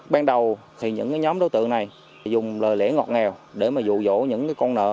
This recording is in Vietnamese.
ban đầu thì những nhóm đối tượng này dùng lời lẽ ngọt ngào để mà dụ dỗ những con nợ